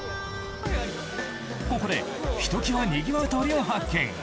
ここでひと際にぎわう通りを発見。